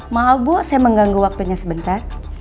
maaf bu saya mengganggu waktunya sebentar